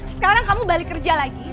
sekarang kamu balik kerja lagi